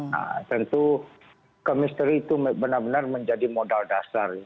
nah tentu kemisteri itu benar benar menjadi modal dasar